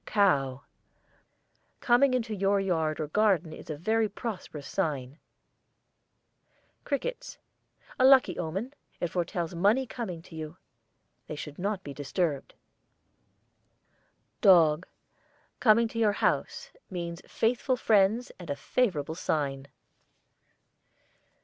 COW. Coming in your yard or garden a very prosperous sign. CRICKETS. A lucky omen. It foretells money coming to you. They should not be disturbed. DOG. Coming to your house, means faithful friends and a favourable sign.